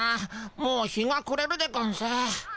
もう日がくれるでゴンス。